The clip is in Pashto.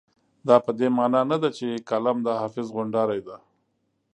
دا په دې مانا نه ده چې کالم د حافظ غونډارۍ ده.